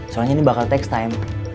soalnya ini bakal text time